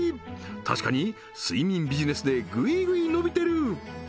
確かに睡眠ビジネスでぐいぐい伸びてる！